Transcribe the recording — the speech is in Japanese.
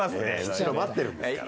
後ろ待ってるんですから。